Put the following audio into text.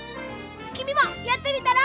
きみもやってみたら？